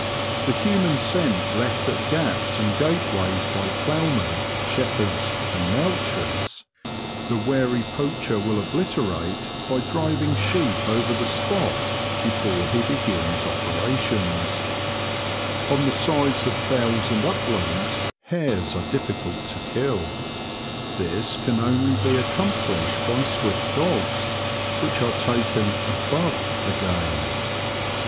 The human scent left at gaps and gateways by ploughmen, shepherds, and mouchers, the wary poacher will obliterate by driving sheep over the spot before he begins operations. On the sides of fells and uplands hares are difficult to kill. This can only be accomplished by The Confessions of a Poacher, 69 swift dogs, which are taken above the game.